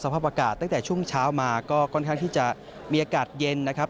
ภาพอากาศตั้งแต่ช่วงเช้ามาก็ค่อนข้างที่จะมีอากาศเย็นนะครับ